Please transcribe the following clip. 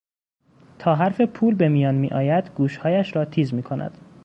تا حرف پول به میان میآید گوشهایش را تیز میکند.